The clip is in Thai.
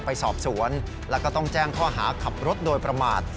ไปสอบสวนแล้วก็ต้องแจ้งข้อหาขับรถโดยประมาท